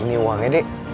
ini uangnya dek